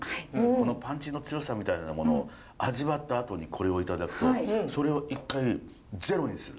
このパンチの強さみたいなものを味わったあとにこれを頂くとそれを一回ゼロにする。